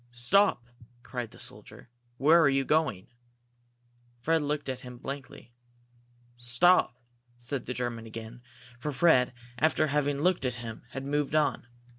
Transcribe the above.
"Stop!" cried the soldier. "Where are you going?" Fred looked at him blankly. "Stop!" said the German again, for Fred, after having looked at him, had moved on.